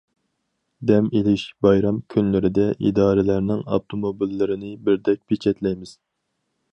دەم ئېلىش، بايرام كۈنلىرىدە ئىدارىلەرنىڭ ئاپتوموبىللىرىنى بىردەك پېچەتلەيمىز.